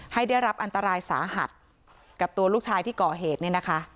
ให้ได้รับอันตรายสาหัสกับตัวลูกชายที่ก่อเหตุเนี่ยนะคะ